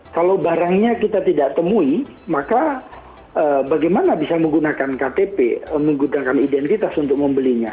kalau barangnya kita tidak temui maka bagaimana bisa menggunakan ktp menggunakan identitas untuk membelinya